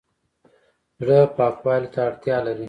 زړه پاکوالي ته اړتیا لري